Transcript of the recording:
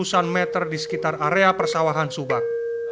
perusahaan ini mengebor sampai ke ratusan meter di sekitar area persawahan subah